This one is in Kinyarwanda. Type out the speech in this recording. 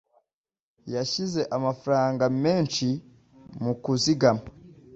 Yashyize amafaranga menshi mu kuzigama.